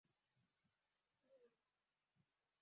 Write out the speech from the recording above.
ambaye amefariki akiwa na umri wa miaka sabini na tisa